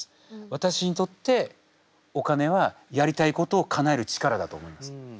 私にとってお金はやりたいことをかなえる力だと思います。